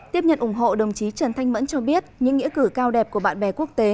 tiếp nhận ủng hộ đồng chí trần thanh mẫn cho biết những nghĩa cử cao đẹp của bạn bè quốc tế